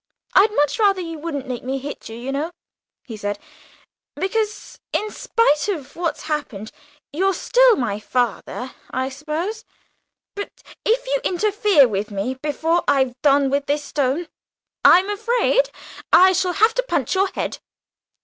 "I'd much rather you wouldn't make me hit you, you know," he said, "because, in spite of what's happened, you're still my father, I suppose. But if you interfere with me before I've done with this stone, I'm afraid I shall have to punch your head."